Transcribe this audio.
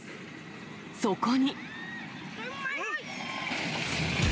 そこに。